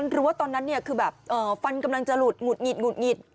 อ๋อหรือว่าตอนนั้นเนี่ยคือแบบฟันกำลังจะหลุดหงุดหงิด